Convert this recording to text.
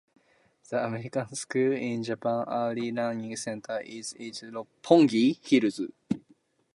The American School in Japan Early Learning Center is in Roppongi Hills.